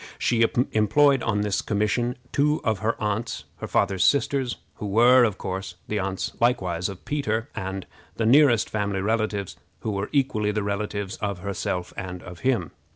She employed on this commission two of her aunts, her father's sisters, who were, of course, the aunts likewise of Peter, and the nearest family relatives, who were equally the relatives of herself and of him.